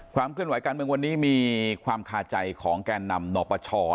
เคลื่อนไหวการเมืองวันนี้มีความคาใจของแก่นำนปช